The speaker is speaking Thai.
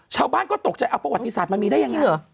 ชาวบ้านก็ตกใจเอาประวัติศาสตร์มันมีได้ยังไงเหรอ